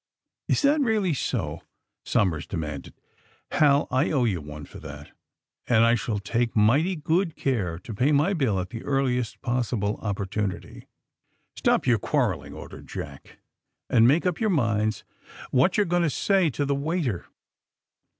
'^^* Is that really so f " Somers demanded. Hal, I owe you one for that and I shall take mighty good care to pay my bill at the earliest possible opportunity." ^^Stop your quarreling," ordered. Jack, ^*and make up your minds what you're going to say to the waiter."